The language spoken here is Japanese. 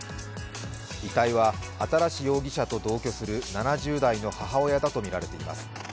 遺体は新容疑者と同居する７０代の母親だとみられています。